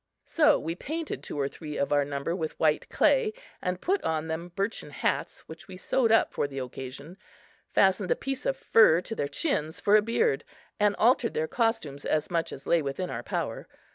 So we painted two or three of our number with white clay and put on them birchen hats which we sewed up for the occasion; fastened a piece of fur to their chins for a beard and altered their costumes as much as lay within our power.